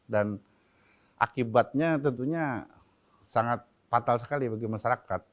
akibatnya tentunya sangat fatal sekali bagi masyarakat